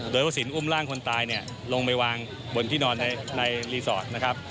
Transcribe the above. โดยพรสินอุ้มล่างคนตายลงไปวางบนที่นอนในรีสอร์ท